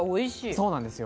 そうなんですよ。